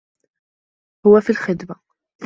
هو في الخدمة.